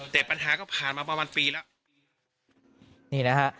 แต่ปัญหาก็ผ่านมาประมาณปีละ